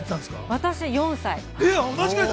私は４歳。